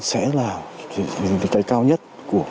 sẽ là cái cao nhất